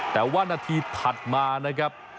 แต่ว่านาทีถัดมานะครับ